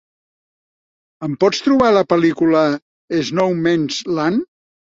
Em pots trobar la pel·lícula Snowman's Land?